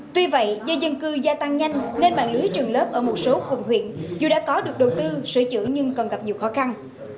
tuy vậy do dân cư gia tăng nhanh nên mạng lưới trường lớp ở một số quần huyện dù đã có được đầu tư sửa chữa nhưng còn gặp nhiều khó khăn